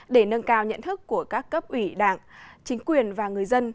để nâng cao nhận thức của các cấp ủy đảng chính quyền và người dân